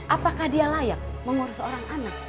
apakah dia layak mengurus seorang anak